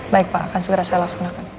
baik pak akan segera saya laksanakan